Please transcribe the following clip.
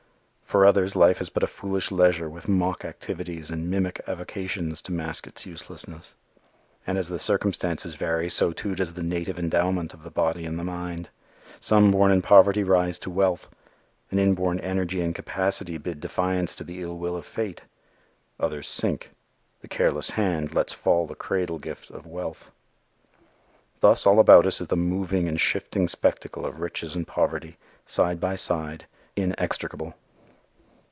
For others life is but a foolish leisure with mock activities and mimic avocations to mask its uselessness. And as the circumstances vary so too does the native endowment of the body and the mind. Some born in poverty rise to wealth. An inborn energy and capacity bid defiance to the ill will of fate. Others sink. The careless hand lets fall the cradle gift of wealth. Thus all about us is the moving and shifting spectacle of riches and poverty, side by side, inextricable.